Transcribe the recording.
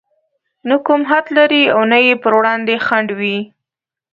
نه کوم حد لري او نه يې پر وړاندې خنډ وي.